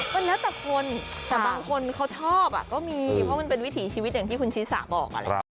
ก็แล้วแต่คนแต่บางคนเขาชอบก็มีเพราะมันเป็นวิถีชีวิตอย่างที่คุณชิสาบอกอะไรอย่างนี้